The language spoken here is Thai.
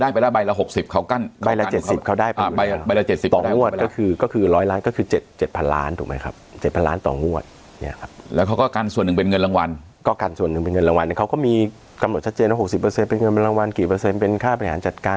เพราะว่าส่วนตั้งสลากเนี่ย